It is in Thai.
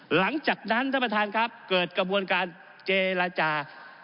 หลังจากนั้นท่านประธานครับเกิดกระบวนการเจรจา